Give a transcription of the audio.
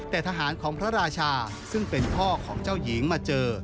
แต่ทหารของพระราชาซึ่งเป็นพ่อของเจ้าหญิงมาเจอ